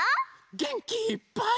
げんきいっぱい。